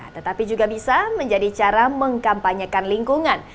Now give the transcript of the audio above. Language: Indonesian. tetapi juga bisa menjadi cara mengkampanyekan lingkungan